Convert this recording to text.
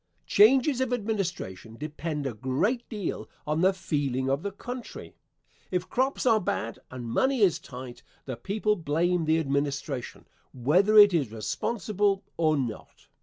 Changes of administration depend a great deal on the feeling of the country. If crops are bad and money is tight, the people blame the administration, whether it is responsible or not.